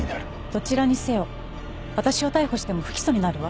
どちらにせよ私を逮捕しても不起訴になるわ。